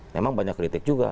memang banyak kritik juga